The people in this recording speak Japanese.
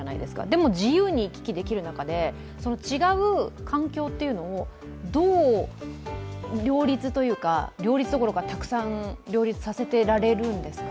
でも、自由に行き来できる中で違う環境というのをどう両立というか両立どころかたくさん両立させていけるんですか？